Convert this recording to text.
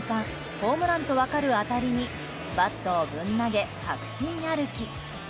ホームランと分かる当たりにバットをぶん投げ、確信歩き。